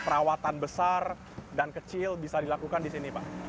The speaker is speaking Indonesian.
perawatan besar dan kecil bisa dilakukan di sini pak